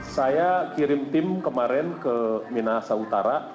saya kirim tim kemarin ke minahasa utara